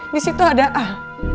di situ ada al